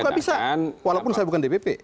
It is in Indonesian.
saya juga bisa walaupun saya bukan dpp